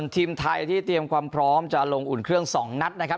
ทีมไทยที่เตรียมความพร้อมจะลงอุ่นเครื่อง๒นัดนะครับ